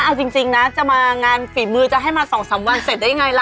เอาจริงนะจะมางานฝีมือจะให้มา๒๓วันเสร็จได้ยังไงล่ะ